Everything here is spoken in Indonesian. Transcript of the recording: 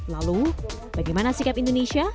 lalu bagaimana sikap indonesia